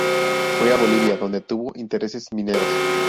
Fue a Bolivia, donde tuvo intereses mineros.